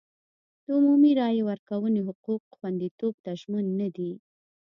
د عمومي رایې ورکونې حقونو خوندیتوب ته ژمن نه دی.